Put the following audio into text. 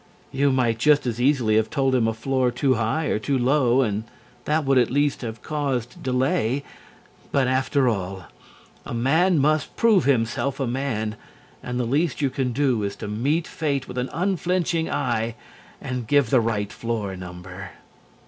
You might just as easily have told him a floor too high or too low, and that would, at least, have caused delay. But after all, a man must prove himself a man and the least you can do is to meet Fate with an unflinching eye and give the right floor number.